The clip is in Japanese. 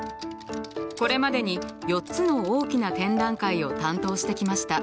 これまでに４つの大きな展覧会を担当してきました。